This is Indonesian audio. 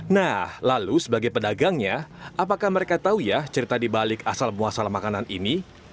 nah lalu sebagai pedagangnya apakah mereka tahu ya cerita di balik asal muasal makanan ini